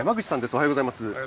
おはようございます。